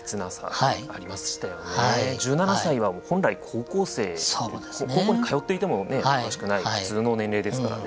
１７歳は本来高校生高校に通っていてもおかしくない普通の年齢ですからね。